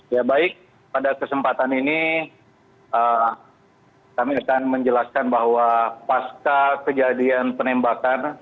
ya baik pada kesempatan ini kami akan menjelaskan bahwa pasca kejadian penembakan